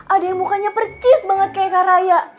ada yang mukanya percis banget kayak kak raya